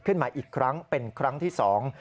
ขึ้นมาอีกครั้งเป็นครั้งที่สอง